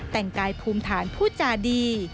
แต่งกายภูมิฐานพูดจาดี